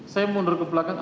saya mundur ke belakang